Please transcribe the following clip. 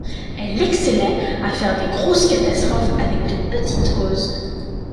Elle excellait à faire de grosses catastrophes avec de petites causes.